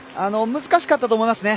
難しかったと思いますね。